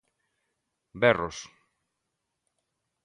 Berros.